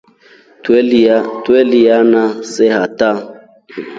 Twelilyana see hata.